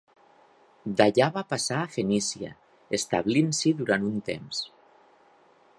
D'allà va passar a Fenícia, establint-s'hi durant un temps.